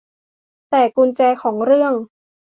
แต่กุญแจของเรื่อง